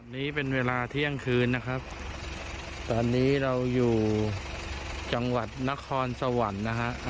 นี้เป็นเวลาเที่ยงคืนนะครับตอนนี้เราอยู่จังหวัดนครสวรรค์นะฮะ